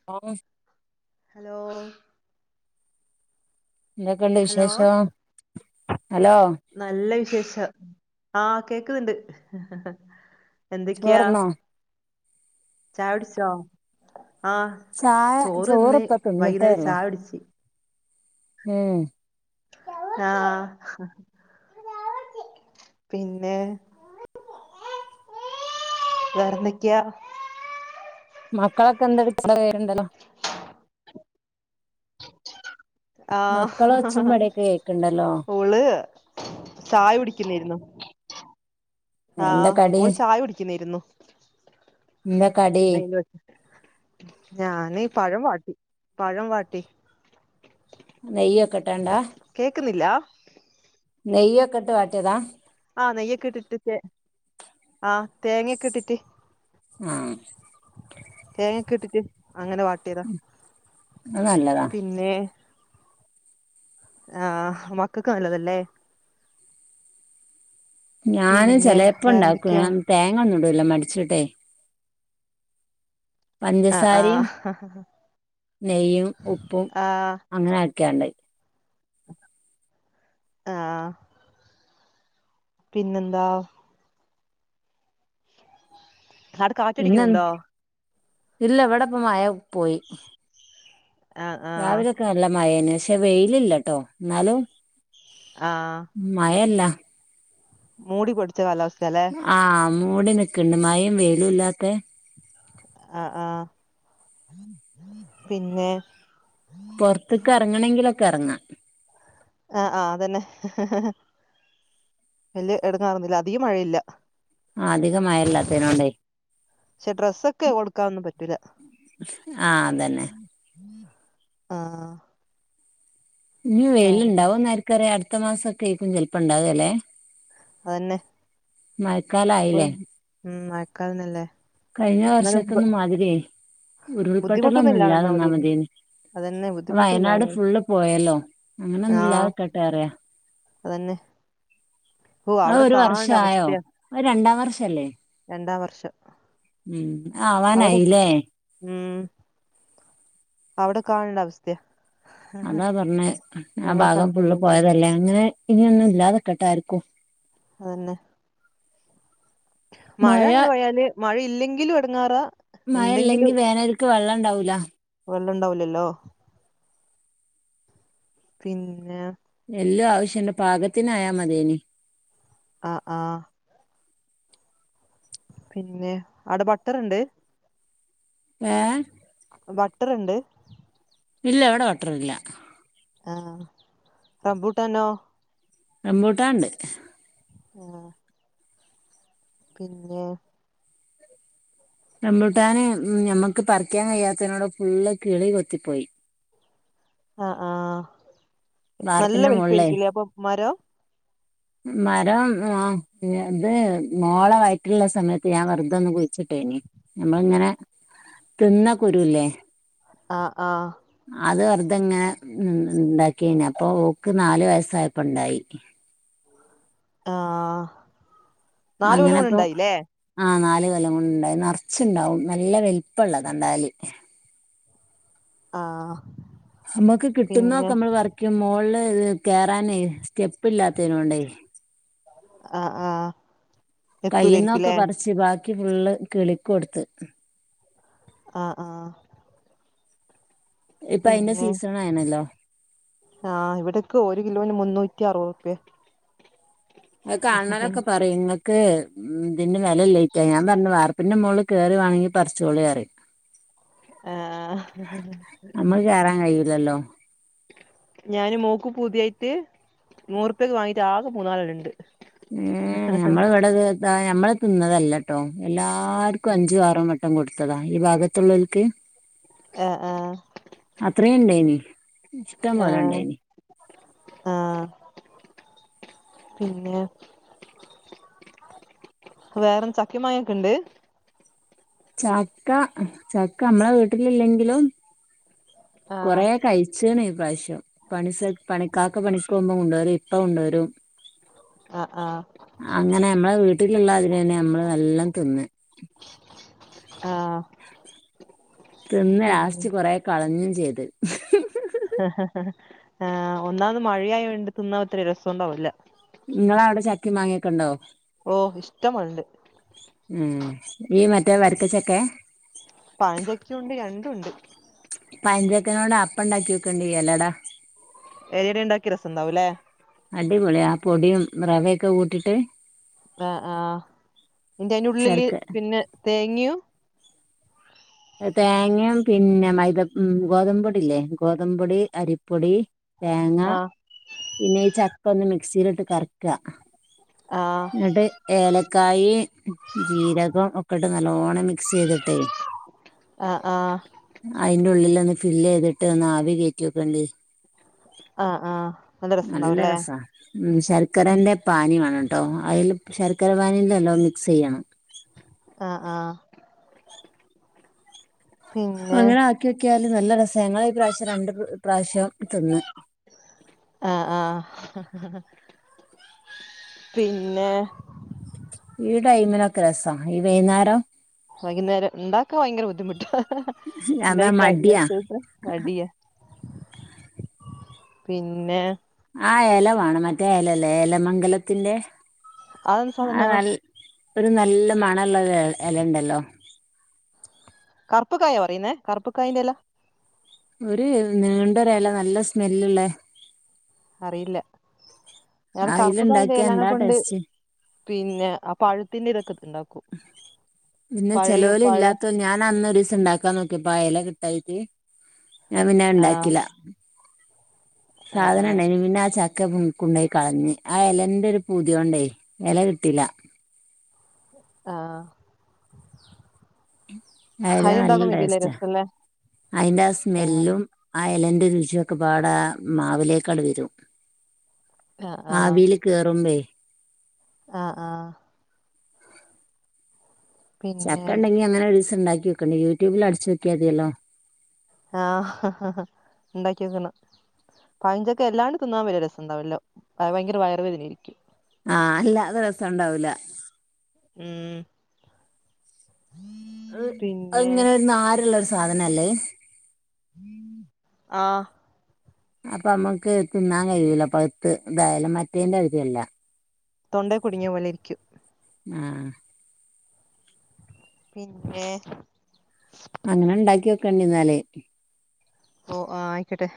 [unintelligible] Hello എന്തൊക്കെയുണ്ട് hello വിശേഷോ hello നല്ല വിശേഷൊ ആഹ് കേക്ക്ന്നുണ്ട് എന്തൊക്കെയാ ചോർന്നോ ചായ കുടിച്ചോ? ആഹ് ചായ ചോറ് തിന്ന് ചോറിപ്പൊ വൈകുന്നേരം തിന്നിട്ടേയുള്ളു ചായ കുടിച്ച് ഏ ആഹ് പിന്നെ വേറെന്തൊക്കെയാ മക്കളൊക്കെന്തടു [unintelligible] മക്കളെ ഒച്ചയും ആഹ് പടയൊക്കെ കേക്കണ്ടല്ലോ ഓള് ചായ കുടിക്കുന്നേരുന്നു. എന്താ ആഹ് കടി ഓള് ചായ കുടിക്കുന്നേരുന്നു. എന്താ കടി ഞാന് പഴം വാട്ടി പഴം വാട്ടി നെയ്യൊക്കിട്ടാണ്ട കേക്ക്ന്നില്ലാ? നെയ്യൊക്കിട്ട് വാട്ടിയതാ? ആഹ് നെയ്യൊക്കിട്ടിട്ട് [unintelligible] ആഹ് തേങ്ങയെക്കിട്ടിട്ട് ആഹ് തേങ്ങയെക്കിട്ടിട്ട് അങ്ങനെ വാട്ടിയതാ അത് നല്ലതാ പിന്നെ ആഹ് മക്കക്ക് നല്ലതല്ലേ ഞാനും പിന്നെ ചെലേപ്പണ്ടാക്കും വേറെന്തൊക്കെയാ ഞാൻ തേങ്ങന്നുടൂല മടിച്ചിട്ടെ ആഹ് പഞ്ചസാരയും ആഹ് നെയ്യും ഉപ്പും ആഹ് അങ്ങനാക്കിയാണ്ട് ആഹ് പിന്നെന്താ അവിടെ കാറ്റടിക്കുന്നുണ്ടോ പിന്നെന്ത്‌ ഇല്ല ഇവിടെപ്പം മഴ പോയി ആഹ് ആഹ് രാവിലൊക്കെ നല്ല മഴയേനു പക്ഷെ വെയിലില്ലട്ടോ ന്നാലും ആഹ് മഴല്ല മൂടിപ്പിടിച്ച കാലാവസ്ഥയാലെ ആഹ് മൂടി നിക്ക്ണ്ട് മയയും വെയിലുല്ലാത്തെ ആഹ് ആഹ് പിന്നെ പൊർത്ത്ക്ക്‌ എറങ്ങണങ്കിലൊക്കെ എറങ്ങാ ആഹ് ആഹ് അതന്നെ വല്യ എടങ്ങാറൊന്നുല്ല അധികം മഴയില്ല ആഹ് അധികം മഴയില്ലാത്തേനോണ്ടേയ് പക്ഷെ ഡ്രസ്സൊക്കെ ഒടക്കാനൊന്നും പറ്റൂല ആഹ് അതന്നെ ആഹ് ഇനി വേറെ വെയിലിണ്ടാവോന്നാർക്കറിയ അടുത്ത മാസൊക്കെയേരിക്കും ചെലപ്പെണ്ടാവ ലെ അതന്നെ ഇപ്പൊ മഴക്കാലായിലെ ഉം മയക്കാലന്നെല്ലേ കഴിഞ്ഞ വർഷത്തൊന്നും മാതിരിയെ ഉരുൾപെട്ടലൊന്നുല്ലാതിന്നാ മതിയേനി അതെന്നെ വയനാട് ഫുള്ള് പോയല്ലോ ആഹ് അങ്ങനൊന്നുല്ലാത്ക്കട്ടെ പറയ അതന്നെ. ഓ അത് അവിടെ ഒരു കാണ്ട വർഷായോ അവസ്ഥയാ അത് രണ്ടാം വർഷല്ലേ രണ്ടാം വർഷം. ഉം അവിടെ ആവാനായിലേ ഉം. അവിടെ കാണ അവസ്ഥ്യാ അതാ പറഞ്ഞെ ആ ഞങ്ങൾക്കവിടെ ഭാഗം പോയി ഫുള്ള് കണ്ടത് പോയതല്ലേ അങ്ങനെ ഇനൊന്നും ഇല്ലാതെക്കട്ടാർക്കും. അതന്നെ. മഴ അങ്ങനെ പയാല് മഴല്ലെങ്കിലും എടങ്ങാറാ മഴെല്ലെങ്കി വേനൽക്ക് വെള്ളണ്ടാവൂല. വെള്ളണ്ടാവുലല്ലോ? പിന്നെ. എല്ലു ആവശ്യണ്ട് പാകത്തിനായാ മത്യന്. ആഹ് ആഹ്. പിന്നേ അവടെ ബട്ടറ്ണ്ട്? ഏഹ ബട്ടറ്ണ്ട്? ഇല്ല ഇവടെ ബട്ടറില്ല ആഹ് റംബൂട്ടാനോ? റമ്പൂട്ടാണ്ട്. ആഹ്. പിന്നെ? റംബൂട്ടാന് ഞമ്മക്ക് പറിക്കാൻ കഴിയാത്തേനോട് ഫുള്ള് കിളി കൊത്തിപ്പോയി. ആ ആഹ് നല്ല വാർപ്പിന്റെ മോളിലേ വലിപ്പേരിക്കുലേ അപ്പൊ മരം? മരം ആ ഇത് മോള വയററില്ള്ള സമയത്ത് ഞാ വെറുതൊന്ന് കുഴിച്ചിട്ടേനി ഞമ്മള്ങ്ങനെ തിന്ന കുരുല്ലേ ആഹ് ആഹ് അത് വെറുതെങ്ങനെണ്ടാക്കിയേനി അപ്പൊ ഓക്ക് നാലു വയസായപ്പോണ്ടായി ആഹ് അങ്ങനെപ്പൊ ആഹ് നാല് കൊല്ലം കൊണ്ട്ണ്ടായി നർച്ചുണ്ടാവും നല്ല വലുപ്പള്ളതാണ്ടാവല് ആഹ് അമ്മക്ക് കിട്ടുന്നതൊക്കെ അമ്മള് പറിക്കും മോളില് ഇത് കേറാനേ സ്റ്റെപ്പ്ല്ലാത്തേനോണ്ടേ ആഹ് ആഹ്. കൈയ്യ്ന്നൊക്കെ പറിച്ച് ബാക്കി ഫുള്ള് കിളിക്കൊടുത്ത്. ആഹ് ആഹ്. ഇപ്പോയിന്റെ പിന്നെ സീസൺ ആയിണല്ലോ ആഹ് ഇവിടക്കെ ഒരു കിലോന് മുന്നൂറ്റി അറുപതു റുപ്പിയ നിങ്ങൾ കാണണോന്നൊക്കെ പറയും ഇതിന്റെ വേലയിലഞ്ഞിട്ട ഞാൻ പറഞ്ഞു വാർപ്പിന്റെ മോള് കേറിവാണെങ്കിൽ പറിച്ചോളിന്ന് പറയും ആഹ് നമ്മക്ക് കേറാൻ കഴിയൂലല്ലോ ഞാന് മോക്ക് പൂതിയായിട്ട്. നൂറുപ്യക്ക് വാങ്ങീട്ട് ആകെ മൂന്നാലെണ്ണണ്ട്. ഏ ഞമ്മള ഇവിടെത് താ ഞമ്മള തിന്നതല്ലട്ടോ എല്ലാർക്കും ഉം അഞ്ചു ആറും വട്ട കൊടുത്തതാ ഈ ഭാഗത്തുള്ളോൽക്ക് ആഹ് ആഹ് അത്രേണ്ടേനി ആഹ് ആഹ് പിന്നെ വേറെ ചക്കീം മാങ്ങീക്കെണ്ട്? ചക്ക ചക്ക അമ്മളെ വീട്ടിലില്ലെങ്കിലും ആഹ് കൊറേ കഴിച്ചീണ് ഈ പ്രാവശ്യം പണി സൽ പണിക്കാർക്ക് പണിക്ക് പോവുമ്പം കൊണ്ടേരും ഇപ്പ കൊണ്ടോരും ആ ആ അങ്ങനെ മ്മളെ വീട്ടില്ള്ളാതിരി തന്നെ മ്മള് നല്ലോം തിന്ന് ആഹ് തിന്ന് പിന്നെ ലാസ്റ്റ് കൊറെ കളഞ്ഞ് ചെയ്ത് ആ ഒന്നാമത് മഴയായോണ്ട് തിന്നാ ഒത്തിരി രസോണ്ടാവില്ല നിങ്ങളവിടെ ചക്കേം മാങ്ങയൊക്കെ ഒണ്ടോ ഓ ഇഷ്ടമല്ല് ഉം ഈ മറ്റേ വരിക്കച്ചക്കെ പഴഞ്ചക്കേം ഉണ്ട് രണ്ടു ഉണ്ട് പഴഞ്ചക്കേനോട് അപ്പണ്ടാക്കിയോക്കണ്ട് എലട ഏരിണ്ടാക്കിയാ രസണ്ടാവൂല്ലേ അടിപൊളി ആ പൊടിയും റവയൊക്കെ കൂട്ടിട്ട് ആഹ് ആഹ് അയിന്റെ അയിനുള്ളില് ശർക്ക പിന്നെ തേങ്ങയും തേങ്ങേം പിന്നെ മൈദ മ് ഗോതമ്പോടില്ലേ ഗോതമ്പോടി അരിപ്പൊടി തേങ്ങ ആഹ് പിന്നെ ഈ ചക്ക ഒന്ന് മിക്സിലിട്ട് കറക്ക ആഹ് എന്നിട്ട് ഏലക്കായ് ജീരകം ഒക്കെട്ട് നല്ലോണ്ണം മിക്സ് ചെയ്തിട്ടേ ആ ആ അയിന്റെ ഉള്ളിൽ ഒന്ന് ഫില്ല് ചെയ്തിട്ട് ഒന്ന് ആവി കേറ്റി ഒക്ക്ണ്ട് ആ ആ നല്ല രസാ ഉം ശർക്കരേന്റെ പാനീ വേണംട്ടോ അയില് ശർക്കര പാനീല്ലെല്ലോം മിക്സെയ്യണം ആ ആ പിന്നെ അങ്ങനെ ആക്കിയോക്കിയാല് നല്ല രസാ ഞങ്ങളി പ്രാവശ്യം രണ്ട് പ്രാവശ്യം തിന്ന് ആ ആ പിന്നെ ഈ ടൈമിനൊക്കെ രസാ ഈ വൈന്നേരം വൈകുന്നേരം ഇണ്ടാക്കാൻ ഭയങ്കര ബുദ്ധിമുട്ടാ അതാ ണ്ടായി കഴിഞ്ഞാ മടിയാ ത് ത് മടിയ പിന്നെ ആ എലവേണം മറ്റേ എലല്ലേ എലമംഗലത്തിന്റെ അതെന്ത് ആ സാധനോ നൽ ഒരു നല്ല മണള്ളര എലണ്ടല്ലോ കറുപ്പ്ക്കായാ പറയുന്നേ കറുപ്പ കായിന്റെ എല ഒരു നീണ്ട ഒരെല നല്ല സ്മെല്ല്ള്ളേ അറിയില്ല എടെ കറുപ്പ് കായിന്റെ അയില്ണ്ടാക്കിയാ എന്താ എലനെകൊണ്ട് ടേസ്റ്റ് പിന്നെ ആ പഴത്തിന്റെ ഇതൊക്കെ ഇണ്ടാക്കും പിന്നെ ചെലോല് ഇല്ലാത്ത ഞാൻ അന്നോരീസോണ്ടാക്കി ക്കാൻ നോക്കിപ്പോ ആ എല കിട്ടായിട്ട് ഞാൻ ആഹ് പിന്നെണ്ടാക്കില്ല ആഹ് ആഹ് സാധനണ്ടായേനി പിന്നെ ആ ച ക്ക കൊണ്ടോയി കളഞ്ഞ് ആ എലന്റെ ഒരു പൂതി കൊണ്ടേ എല കിട്ടീല ആഹ് ആ എല അത് നല്ല ഉണ്ടാക്കാൻ വെക്കില്ലേ ടേസ്റ്റ രസല്ലേ അയിന്റെ ആ ആഹ് സ്മെല്ലും ആ എലന്റെ രുചിയൊക്കെ പാടെ മാവിലേക്കങ്ങ്ട് വരും ആഹ് ആവില് കേറുമ്പേ ആ ആ പിന്നെ ചക്കണ്ടെങ്കി അങ്ങനെ ഒരീസം ഒണ്ടാക്കിയോക്കണ്ട് യൂട്യൂബിൽ അടിച്ച് നോക്കിയാ മതിയല്ലോ ആഹ ഹ ഹ ണ്ടാക്കിയോക്കണം പഴഞ്ചക്ക എല്ലാണ്ട് തിന്നാൻ വല്യ രസണ്ടാവ്‌ല്ല ഭയങ്കര വയറ് വേദനയായിരിക്കും ആ അല്ലാതെ രസണ്ടാവൂല ഉം പിന്നെ അതിങ്ങനെ നാരുള്ള ഒരു സാധന അല്ലേ ആഹ് അപ്പ നമ്മക്ക് തിന്നാൻ കഴിയൂല പഴ്ത്ത് ഇതായാലും മറ്റേന്റെ ആയിരിയല്ല. തൊണ്ടെ കുടുങ്ങിയ പോലെ ഇരിക്കും.. ആ ഹ് പിനെ അങ്ങനെ ഇണ്ടാക്കി നോക്കേണ്ടി ഇന്നാല്. ഓ ആഹ ആയ്ക്കൊട്ടെ.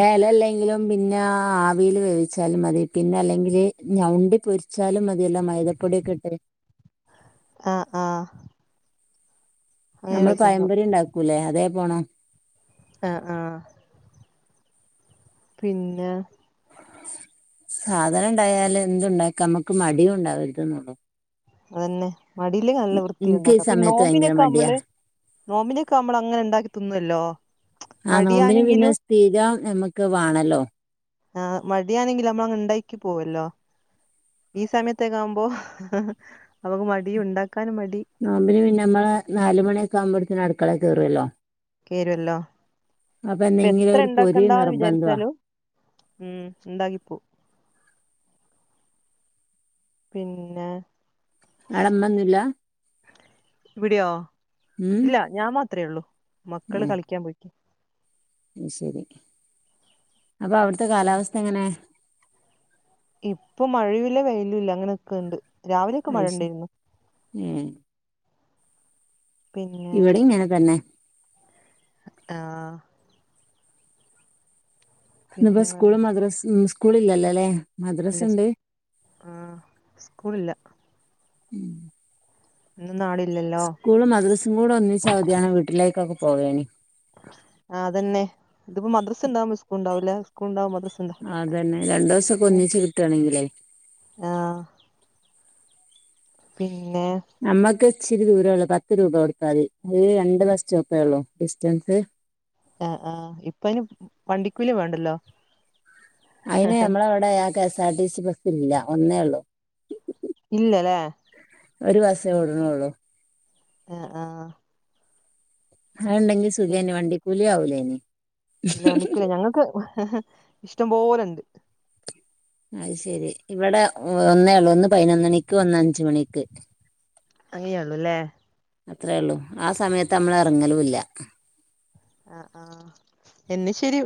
ഏ ലല്ലങ്കിലും. മിനാ ആവിയില് വേവിച്ചാലും മതി പിനല്ലെങ്കില് ഞൗണ്ടിപൊരിച്ചാലും മതിയല്ലോ മൈദ പൊടിയൊക്കിട്ട്. ആഹ് ആ ന്നമ്മള് രസണ്ടാവും പയംപൊരി ഇണ്ടാക്കൂല്ലേ അതേ പോണം. അ ആഹ പിനെ സാധനണ്ടായാല് എന്തുണ്ടാക്ക നമ്മക്ക് മടിയും ഉണ്ടാവര്ത് നൊള്ളു. അതന്നെ മടിയില്ലെ നല്ല വൃത്തി എനിക്ക് ഈ ഉണ്ടാക്കാം പിന്നെ സമയത്ത് ഭയങ്കര നോമ്പിനൊക്കെ മടിയാ നമ്മള് നോമ്പിനൊക്കെ നമ്മളങ്ങനെ ഇണ്ടാക്കി തിന്നൊല്ലോ. ആ ന്നോമ്പ്ന് പിനെ സ്ഥിരം നമ്മക്ക് വാണല്ലോ? ആ മടിയാണെങ്കിലും നമ്മ അങ് ഇണ്ടാക്കി പോവല്ലോ. ഈ സമയത്തെക്കാവുമ്പോ ഹ് ഹ ഹ. നമ്മക്ക് മടിയും ഉണ്ടാക്കാനും മടി. നോമ്പിന് പിനമ്മളെ ന്നാല്മണിയൊക്കെ ആവുമ്പത്തിനും അട്ക്കളെ കേറോല്ലോ. കേരൊല്ലോ എന്തെങ്കിലും ഇപ്പെത്ര ഒരു പൊരി ഇണ്ടാക്കണ്ടാന്ന് നിർബന്ധവാ വിജാരിച്ചാലും. ഉം ഇണ്ടാക്കിപ്പു പിന്നെ? ആടെ ഇമ്മന്നുല്ല? ഇവിടെയോ ഉം ഇല്ല ഞാൻ മാത്രേ ഒള്ളൂ മക്കള് കളിക്കാൻ പോയ്ക്ക. ശെരി അപ്പ അവ്ട്ത്തെ കാലാവസ്ഥ എങ്ങനെ? ഇപ്പൊ മഴയുല്ല വെയ്ലുല്ല അങ്ങനെനിക്ക്ണ്ട് രാവിലൊക്കെ മഴ ഇണ്ടായ്ര്ന്നു. ഏഹ് ഇവിടേം ഇങ്ങനെ തന്നെ ആ ഹ് പിന്നെ ഇന്ന്പ്പം വേറെ സ്കൂളും മദ്രസ്സ് മ് സ്കൂളില്ലല്ലോ ലെ. ഇല്ലച് ആഹ സ്കൂളില്ല. ഉം ഇന്നാളില്ലല്ലോ? സ്കൂളും മദ്രസും കൂടെ ഒന്നിച്ച് അവധിയാണേ വീട്ടിലേക്കൊക്കെ പോകെനി. ആഹ് അതനെ ഇതിപ്പോ മദ്രസ ഇണ്ടാവുമ്പോ സ്കൂൾ ഉണ്ടാവുല്ല സ്കൂൾണ്ടാവുമ്പോ മദ്രസ അതന്നെ രണ്ടുസൊക്കെ ഒന്നിച്ച് കിട്ടേണെങ്കിലേ ആഹ് പിനെ നമ്മക്ക് ഇച്ചിരി ദൂരൊള്ളൂ പത്ത് രൂപ കൊടുത്താതി അയ് രണ്ട് ബസ് സ്റ്റോപ്പേ ഒള്ളൂ ഡിസ്റ്റൻസ്. ആ ആ ഇപ്പ അയ്ന് വണ്ടിക്കൂലി വേണ്ടല്ലോ. അയ്ന് നമ്മളെ ഇവടെ ആ കെ സാർ റ്റി സി ബെസ്സില്ല ഒന്നേഒള്ളൂ. ഇല്ല ലെ ഒരു ബസ്സേ ഓട്ണൊള്ളൂ. ആ ആഹ ആത്ണ്ടെങ്കി സുഖേനി വണ്ടി കൂലി അവൂലേനി ഇല്ല വണ്ടിക്കൂലി ഞങ്ങക്ക് ഇഷ്ടം പോലെ ഉണ്ട് അത് ശെരി ഇവിടെ ഒന്നേ ഒള്ളൂ ഒന്ന് പയ്നൊന്നണിക്ക് ഒന്ന് അഞ്ചു മണിക്ക്. അങ്ങെയൊള്ളൂ ല്ലേ. അത്രേള്ളൂ ആ സമയത്ത് നമ്മള് എറങ്ങലൂല്ല ആഹ് ആഹ് എന്ന് ശരി